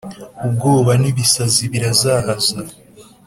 ubwoba n’ibisaz ibirazahaza,